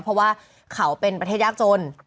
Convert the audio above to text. เพราะว่าเขาเป็นประเทศยากจน